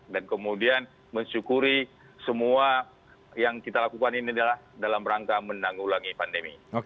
dan kemudian mensyukuri semua yang kita lakukan ini dalam rangka menanggulangi pandemi